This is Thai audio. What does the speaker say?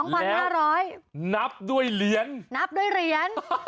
พี่ฝนว่าร้านนับด้วยเหรียญ